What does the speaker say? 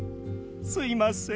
すいません。